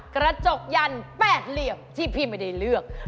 กระจกยัน๘เหลี่ยมที่พี่ไม่ได้เลือก